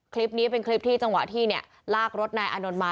คลิปนี้เป็นคลิปที่จังหวะที่เนี่ยลากรถนายอานนท์มา